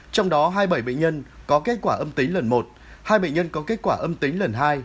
trong đó hai mươi bảy bệnh nhân có kết quả âm tính lần một hai bệnh nhân có kết quả âm tính lần hai